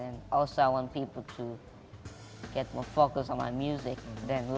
dan saya juga ingin orang orang lebih fokus pada musik saya